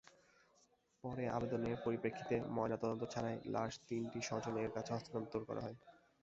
পরে আবেদনের পরিপ্রেক্ষিতে ময়নাতদন্ত ছাড়াই লাশ তিনটি স্বজনদের কাছে হস্তান্তর করা হয়।